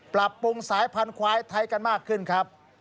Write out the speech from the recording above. ปรับปรุงสายพันธวายไทยกันมากขึ้นครับ